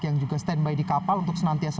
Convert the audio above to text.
yang juga stand by di kapal untuk senantiasa